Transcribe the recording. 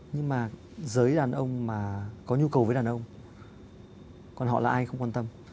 nhưng mà giới đàn ông mà có nhu cầu với đàn ông còn họ là ai không quan tâm